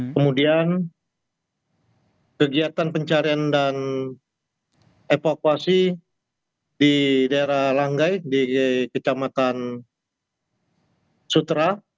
kemudian kegiatan pencarian dan evakuasi di daerah langgai di kecamatan sutra